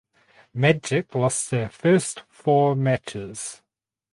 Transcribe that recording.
Magic lost their first four matches.